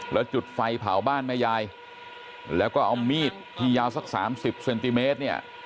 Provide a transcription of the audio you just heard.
แล้วจุดไฟเผาบ้านแม่ยายแล้วก็เอามีดที่ยาวสัก๓๐เซนติเมตรเนี่ย